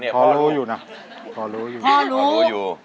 พ่อรู้อยู่นะพ่อรู้อยู่